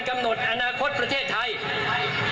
กำหนดอนาคตประเทศไทย